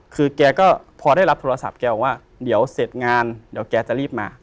คือแกก็พอได้รับโทรศัพท์แกบอกว่าเดี๋ยวเสร็จงานเดี๋ยวแกจะรีบมา